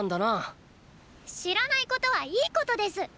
知らないことはいいことです！